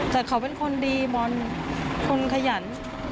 แต่เขาเป็นคนดีบอลคนขยัน